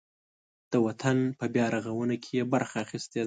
د وطن په بیارغاونه کې یې برخه اخیستې ده.